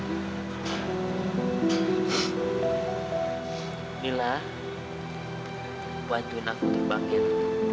inilah wadun aku di bangkit